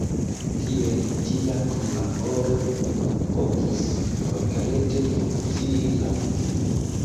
Kiel tia kunlaboro povus konkrete funkcii, laŭ vi?